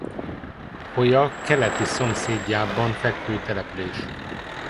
Hoya keleti szomszédjában fekvő település.